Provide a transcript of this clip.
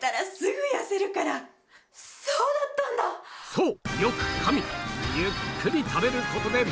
そう！